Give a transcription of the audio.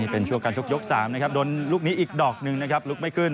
เป็นช่วงการชกยก๓นะครับโดนลูกนี้อีกดอกหนึ่งนะครับลุกไม่ขึ้น